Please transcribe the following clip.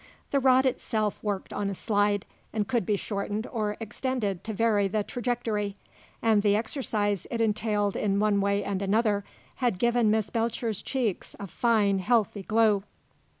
The rod itself worked on a slide, and could be shortened or extended to vary the trajectory, and the exercise it entailed in one way and another had given Miss Belcher's cheeks a fine healthy glow.